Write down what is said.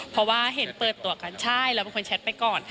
เพราะว่าเห็นเปิดตัวกันใช่เราเป็นคนแชทไปก่อน